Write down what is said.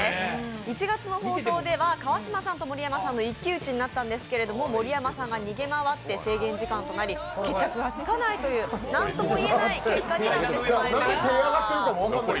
１月の放送では川島さんと盛山さんの一騎打ちになったんですけど盛山さんが逃げ回って制限時間となり、決着がつかないというなんとも言えない結果になってしまいました。